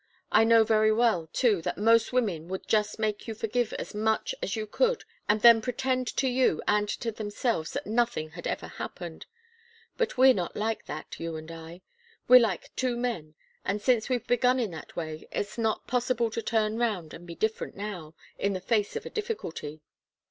I know very well, too, that most women would just make you forgive as much as you could and then pretend to you and to themselves that nothing had ever happened. But we're not like that, you and I. We're like two men, and since we've begun in that way, it's not possible to turn round and be different now, in the face of a difficulty.